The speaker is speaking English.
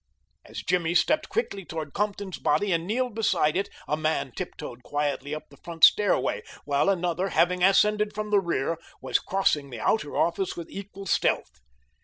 As Jimmy stepped quickly toward Compton's body and kneeled beside it a man tiptoed quietly up the front stairway, while another, having ascended from the rear, was crossing the outer office with equal stealth.